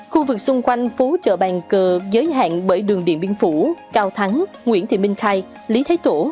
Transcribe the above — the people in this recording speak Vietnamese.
khu vực xung quanh phố chợ bàn cờ giới hạn bởi đường điện biên phủ cao thắng nguyễn thị minh khai lý thái tổ